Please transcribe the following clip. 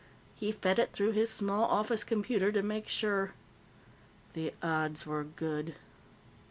He fed it through his small office computer to make sure. The odds were good.